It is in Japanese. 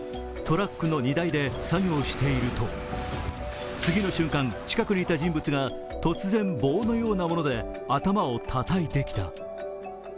トラックの荷台で作業していると次の瞬間、近くにいた人物が突然棒のようなもので頭をたたいてきた。